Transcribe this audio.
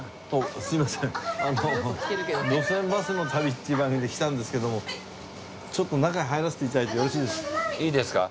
『路線バスの旅』っていう番組で来たんですけどもちょっと中へ入らせて頂いてよろしいですか？